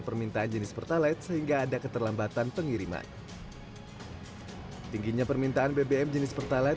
permintaan jenis pertalite sehingga ada keterlambatan pengiriman tingginya permintaan bbm jenis pertalite